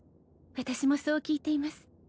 私もそう聞いています